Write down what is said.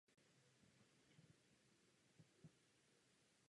Závod vyhrál podle očekávání Martin Fourcade.